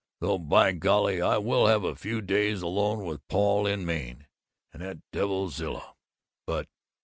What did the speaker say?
Though, by golly, I will have a few days alone with Paul in Maine!... That devil Zilla!... But....